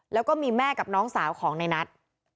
แล้วก็มีแม่กับน้องสาวของในนัท